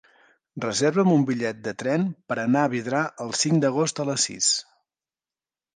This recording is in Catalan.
Reserva'm un bitllet de tren per anar a Vidrà el cinc d'agost a les sis.